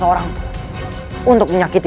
aku akan menangkap dia